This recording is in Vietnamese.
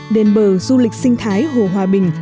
đền bờ du lịch sinh thái hồ hòa bình